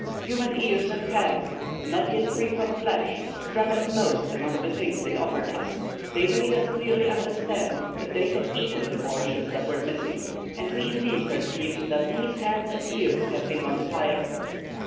"Human ears and hands, not yet free from flesh, struck us most among the things they offered us. They made us clearly understand that they had eaten the portions that were missing, and we indeed perceived that these hands and ears had been on the fire."